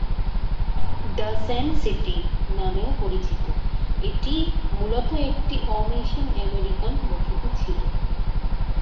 "The sand city" নামেও পরিচিত, এটি মূলত একটি অ-মিশন আমেরিকান বসতি ছিল।